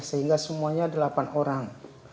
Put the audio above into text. sehingga semuanya delapan orang